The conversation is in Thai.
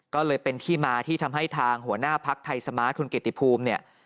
ก็เลยเป็นที่มาที่ทำให้ทางหัวหน้าพักไทยสมาร์ทคุณเกติภูมิเนี่ย